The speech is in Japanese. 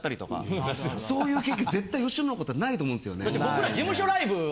そういう経験絶対吉本の方ないと思うんですよね。